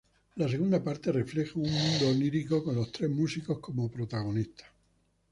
La segunda parte refleja un mundo onírico con los tres músicos como protagonistas.